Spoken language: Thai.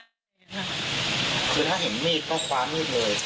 ก็ไม่ทำ